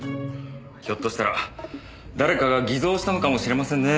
ひょっとしたら誰かが偽造したのかもしれませんね。